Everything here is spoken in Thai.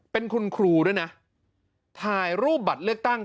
เป็นคุณครูด้วยนะถ่ายรูปบัตรเลือกตั้ง